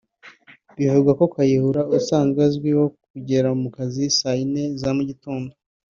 Bivugwa ko Kayihura asanzwe azwiho kugera mu kazi saa yine za mugitondo